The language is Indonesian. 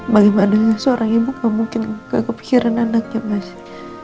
bagaimana seorang ibu gak mungkin kepikiran anaknya pasti